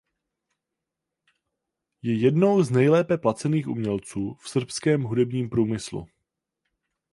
Je jednou z nejlépe placených umělců v srbském hudebním průmyslu.